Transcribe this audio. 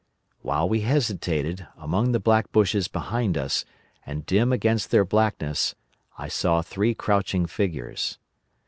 "While we hesitated, among the black bushes behind us, and dim against their blackness, I saw three crouching figures.